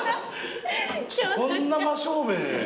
こんな真正面。